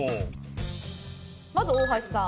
まず大橋さん。